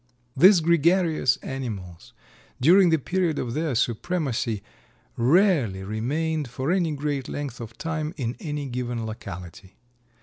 These gregarious animals, during the period of their supremacy, rarely remained for any great length of time in any given locality.